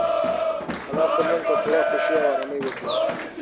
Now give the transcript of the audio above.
انا خپل لمونځ په پوره خشوع او ارامۍ وکړ.